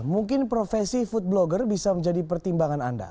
mungkin profesi food blogger bisa menjadi pertimbangan anda